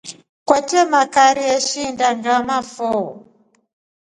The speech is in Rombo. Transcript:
Kwete magari eshunda ngʼambo foo.